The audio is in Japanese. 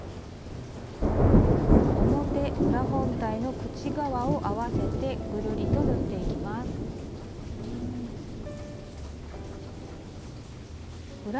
表・裏本体の口側を合わせてぐるりと縫っていきます。